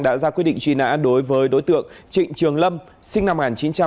đã ra quyết định truy nã đối với đối tượng trịnh trường lâm sinh năm một nghìn chín trăm tám mươi